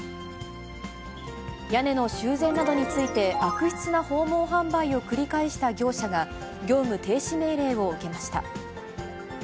屋根の修繕などについて、悪質な訪問販売を繰り返した業者が、業務停止命令を受けました。